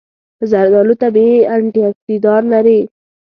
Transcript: زردآلو طبیعي انټياکسیدان لري.